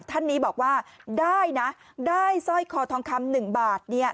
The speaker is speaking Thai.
ท่านนี้บอกว่าได้นะได้สร้อยคอทองคำหนึ่งบาทเนี่ย